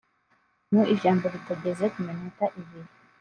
Mu ijambo ritageze ku minota ibiri